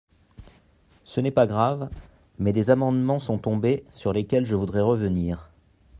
Ce n’est pas grave, mais des amendements sont tombés, sur lesquels je voudrais revenir.